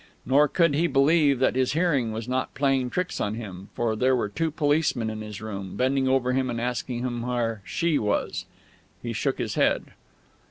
Nor could he believe that his hearing was not playing tricks with him, for there were two policemen in his room, bending over him and asking where "she" was. He shook his head.